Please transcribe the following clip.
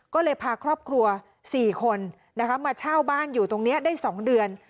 ก็เลยพาครอบครัว๔คนมาเช่าบ้านอยู่ตรงนี้ได้๒เดือน